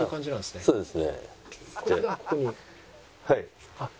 はい。